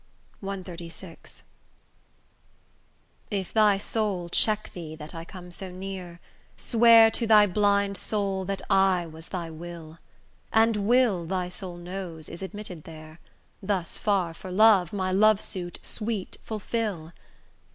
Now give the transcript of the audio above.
CXXXVI If thy soul check thee that I come so near, Swear to thy blind soul that I was thy 'Will', And will, thy soul knows, is admitted there; Thus far for love, my love suit, sweet, fulfil.